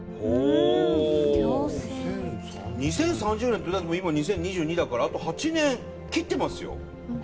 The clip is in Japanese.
２０３０年ってだってもう今２０２２だからあと８年切ってますよ。